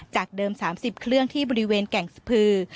จากเดิม๓๐เครื่องที่บริเวณแก่งสะพือ